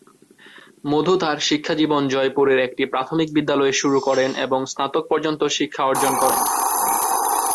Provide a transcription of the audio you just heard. মধু তার শিক্ষাজীবন জয়পুরের একটি প্রাথমিক বিদ্যালয়ে শুরু করেন এবং স্নাতক পর্যন্ত শিক্ষা অর্জন করেন।